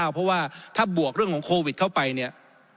เพราะว่าถ้าบวกเรื่องของโควิดเข้าไปเนี่ย